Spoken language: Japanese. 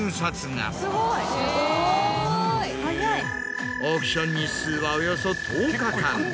すごい！オークション日数はおよそ１０日間。